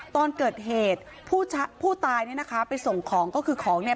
ตอนเกิดเหตุผู้ตายเนี่ยนะคะไปส่งของก็คือของเนี่ย